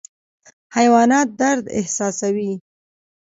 حیوانات درد احساسوي